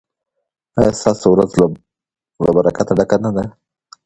ایا ستاسو ورځ له برکته ډکه نه ده؟